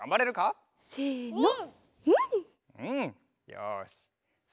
よし。